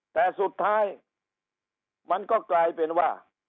แต่สุดท้ายมันก็กลายเป็นว่า